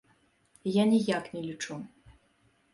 Я ніяк не лічу.